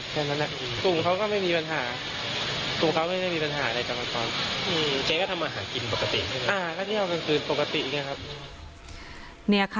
กลุ่มเขาก็ไม่มีปัญหาที่ก็ทำอาหารกินปกติ